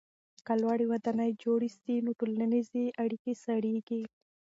که لوړې ودانۍ جوړې سي نو ټولنیزې اړیکې سړېږي.